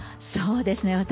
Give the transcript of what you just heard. そうですね